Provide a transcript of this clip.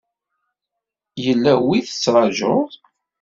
Yella wi tettrajuḍ?